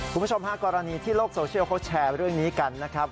คุณผู้ชมฮะกรณีที่โลกโซเชียลเขาแชร์เรื่องนี้กันนะครับ